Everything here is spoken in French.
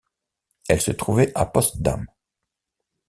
Elle se trouvait à Potsdam.